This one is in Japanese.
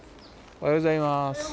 おはようございます。